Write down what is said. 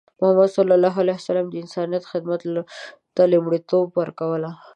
محمد صلى الله عليه وسلم د انسانیت خدمت ته لومړیتوب ورکوله.